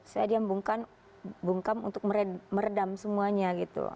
saya diam bungkam untuk meredam semuanya